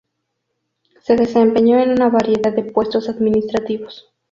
Se desempeñó en una variedad de puestos administrativos.